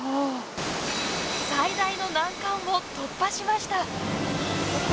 最大の難関を突破しました。